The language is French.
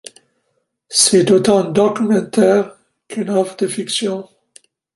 C'est autant un documentaire qu'une œuvre de fiction.